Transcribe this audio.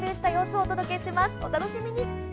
お楽しみに。